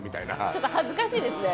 ちょっと恥ずかしいですね